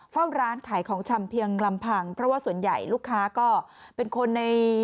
เฝ้าร้านขายของชำเพียงลำพังเพราะว่าส่วนใหญ่ลูกค้าก็เป็นคนใน